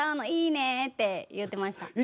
いいねぇ」って言ってました。